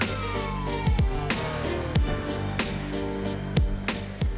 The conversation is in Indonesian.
memang belum tersedia di seluruh kawasan